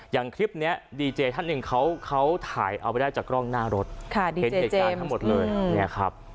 อย่างคลิปเนี้ยดีเจย์ท่านหนึ่งเขาเขาถ่ายเอาไปได้จากกล้องหน้ารถค่ะทั้งหมดเลยเนี้ยครับ